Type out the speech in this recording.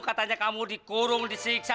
katanya kamu dikurung disiksa